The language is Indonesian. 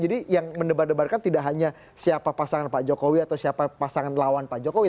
jadi yang mendebar debarkan tidak hanya siapa pasangan pak jokowi atau siapa pasangan lawan pak jokowi